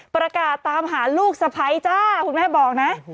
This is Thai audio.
ประกาศตามหาลูกสะพ้ายจ้าคุณแม่บอกนะ